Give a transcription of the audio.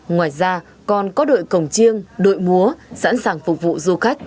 ngoài ra còn có đội cổng chiêng đội múa sẵn sàng phục vụ du khách